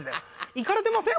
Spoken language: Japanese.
いかれてません？